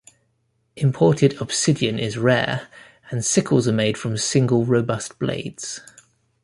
Imported obsidian is rare, and sickles are made from single robust blades.